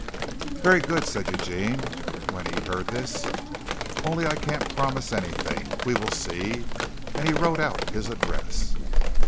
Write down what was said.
"Very good!" said Eugene, when he heard this. "Only I can't promise anything. We will see." And he wrote out his address.